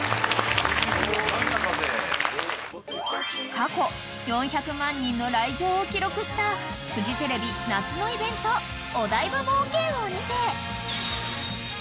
［過去４００万人の来場を記録したフジテレビ夏のイベントお台場冒険王にて］